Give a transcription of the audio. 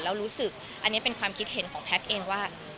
แล้วรู้สึกอันนี้เป็นความคิดเห็นของแพทย์เองว่า